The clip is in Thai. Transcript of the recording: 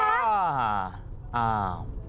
อ่าอ่า